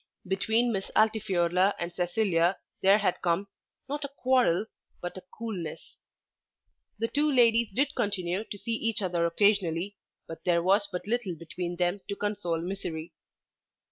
Between Miss Altifiorla and Cecilia there had come, not a quarrel, but a coolness. The two ladies did continue to see each other occasionally, but there was but little between them to console misery.